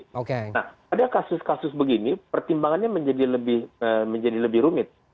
nah ada kasus kasus begini pertimbangannya menjadi lebih rumit